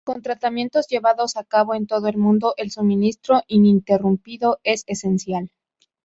Con tratamientos llevados a cabo en todo el mundo, el suministro ininterrumpido es esencial.